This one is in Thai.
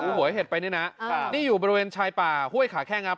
หวยเห็ดไปนี่นะนี่อยู่บริเวณชายป่าห้วยขาแข้งครับ